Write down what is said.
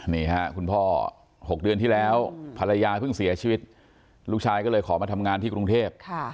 นี่ค่ะคุณพ่อ๖เดือนที่แล้วภรรยาเพิ่งเสียชีวิตลูกชายก็เลยขอมาทำงานที่กรุงเทพ